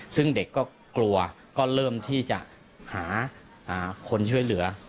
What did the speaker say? ซึ่งเด็กก็กลัวก็เริ่มที่จะหาคนช่วยเหลือ